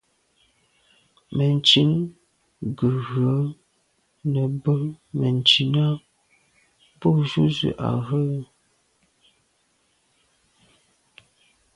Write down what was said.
Mɛ̀ntchìn gə̀ rə̌ nə̀ bə́ mɛ̀ntchìn á bû jû zə̄ à rə̂.